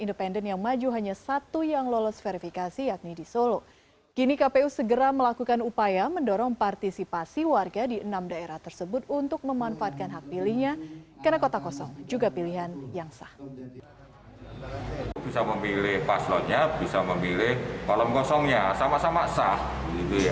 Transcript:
kepulauan riau telah memasuki tahapan pemeriksaan berkas persyaratan pencalonan untuk ditetapkan sebagai calon tetap pada dua puluh tiga september nanti